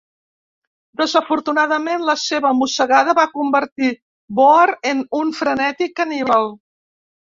Desafortunadament la seva mossegada va convertir Boar en un frenètic caníbal.